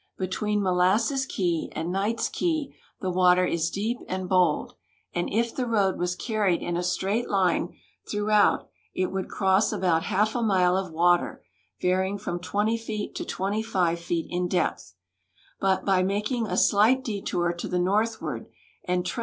Between Molasses Key and Knights Key the water is deep and bold, and if the road was carried in a straight line throughout it would cross about half a mile of water varying from 20 feet to 25 feet in depth ; but by making a slight detour to the northward and tre.